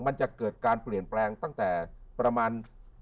มันจะเกิดการเปลี่ยนแปลงตั้งแต่ประมาณ